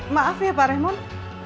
maaf ya pak raymond